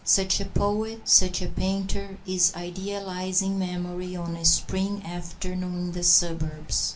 Such a poet, such a painter, is idealizing memory on a spring afternoon in the suburbs.